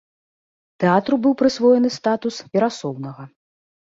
Тэатру быў прысвоены статус перасоўнага.